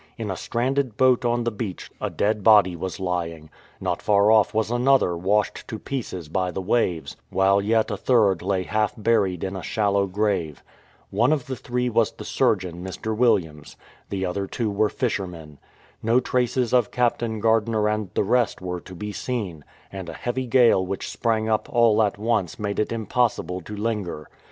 In a stranded boat on the beach a dead body was lying; not far off was another washed to pieces by the waves ; while yet a third lay half buried in a shallow grave. One of the three was the surgeon, Mr. Williams; the other two were fishermen. No traces of Captain Gardiner and the rest were to be seen, and a heavy gale which sprang up all at once made it impossible to linger.